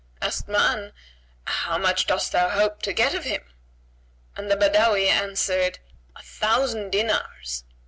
Asked Ma'an, "How much dost thou hope to get of him?"; and the Badawi answered, "A thousand dinars."